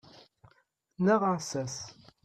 Neɣ aɛessas.